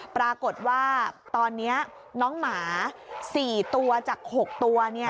ปรากฏว่าตอนนี้น้องหมา๔ตัวจาก๖ตัว